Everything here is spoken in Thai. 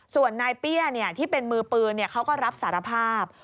ส่วนนายเปี้ยที่เป็นมือปืนเขาก็รับสารภาพ